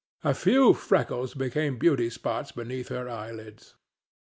A few freckles became beauty spots beneath her eyelids.